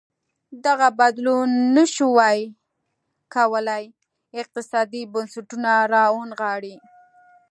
دغه بدلون نه ش وای کولی اقتصادي بنسټونه راونغاړي.